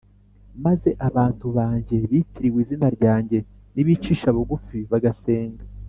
maze abantu banjye bitiriwe izina ryanjye nibicisha bugufi bagasenga